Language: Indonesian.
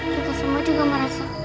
kita semua juga merasa